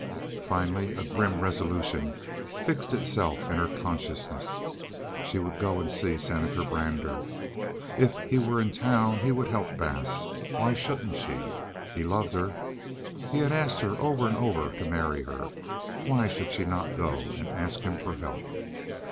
Finally a grim resolution fixed itself in her consciousness. She would go and see Senator Brander. If he were in town he would help Bass. Why shouldn't she—he loved her. He had asked over and over to marry her. Why should she not go and ask him for help?